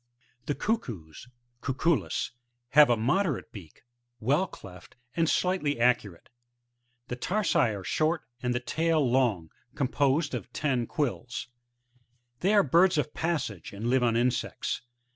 20. The Cuckoos, — Cuculus, — ^have a moderate beak, well cleft, and slightly arcuate ; the tar^ are short, and the tail long, com posed of ten quills. {Plate A^fig. 6;) They are birds of passage, and live t)n insects.